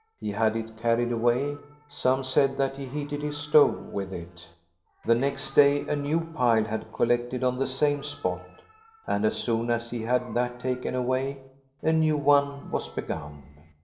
He had it carried away, — some said that he heated his stove with it The next day a new pile had collected on the same spot, and as soon as he had that taken away a new one was begun.